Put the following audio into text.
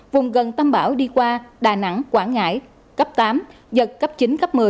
vùng gần tâm áp thấp nhiệt đới đi qua đà nẵng quảng ngãi cấp tám giật cấp chín cấp một mươi